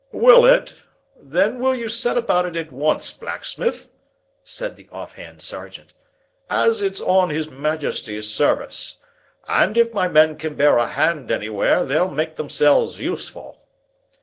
"Will it? Then will you set about it at once, blacksmith?" said the off hand sergeant, "as it's on his Majesty's service. And if my men can bear a hand anywhere, they'll make themselves useful."